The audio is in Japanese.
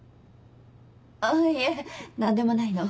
あいえ何でもないの。